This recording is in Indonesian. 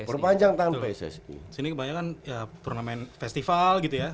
sini kebanyakan pernah main festival gitu ya